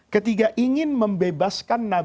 ketika ingin membebaskan nabi muhammad